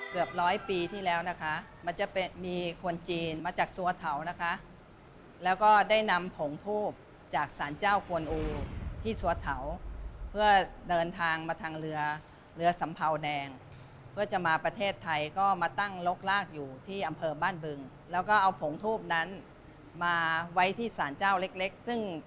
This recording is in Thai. เกือบร้อยปีที่แล้วนะคะมันจะมีคนจีนมาจากสัวเถานะคะแล้วก็ได้นำผงทูบจากสารเจ้ากวนอูที่สัวเถาเพื่อเดินทางมาทางเรือเรือสำเภาแดงเพื่อจะมาประเทศไทยก็มาตั้งลกลากอยู่ที่อำเภอบ้านบึงแล้วก็เอาผงทูบนั้นมาไว้ที่สารเจ้าเล็กเล็กซึ่ง